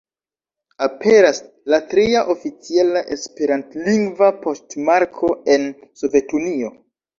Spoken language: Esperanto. Aperas la tria oficiala esperantlingva poŝtmarko en Sovetunio.